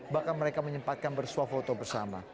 bahkan mereka menyempatkan bersuah foto bersama